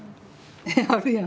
あるやん。